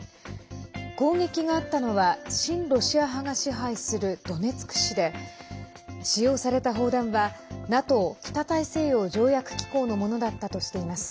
攻撃があったのは親ロシア派が支配するドネツク市で、使用された砲弾はＮＡＴＯ＝北大西洋条約機構のものだったとしています。